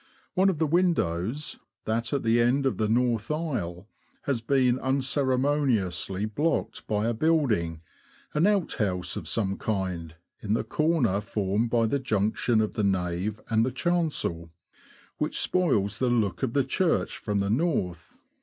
One of the windows — that at the end of the north aisle — has been un ceremoniously blocked by a building, an outhouse of some kind, in the corner formed by the junction of the nave and chancel, which spoils the look of the church from the north.